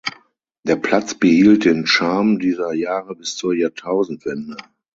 Der Platz behielt den „Charme“ dieser Jahre bis zur Jahrtausendwende.